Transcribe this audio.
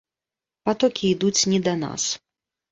Патокі ідуць не да нас.